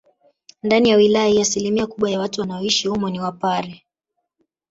Ndani ya wilaya hiyo asilimia kubwa ya watu wanaoishi humo ni wapare